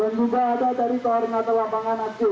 dan juga ada dari korengator lapangan adju